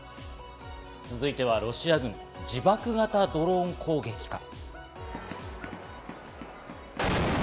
続いては、ロシア軍自爆型ドローン攻撃か。